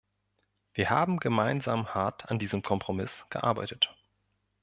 Wir haben gemeinsam hart an diesem Kompromiss gearbeitet.